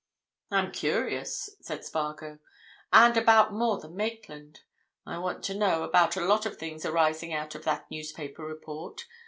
"I'm curious," said Spargo. "And about more than Maitland. I want to know about a lot of things arising out of that newspaper report.